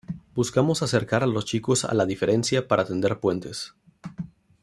Buscamos acercar a los chicos a la diferencia para tender puentes.